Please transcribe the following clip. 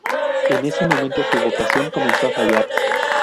En ese momento, su vocación comenzó a fallar.